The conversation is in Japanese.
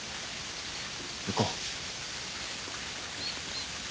行こう。